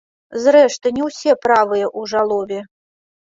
Зрэшты, не ўсе правыя ў жалобе.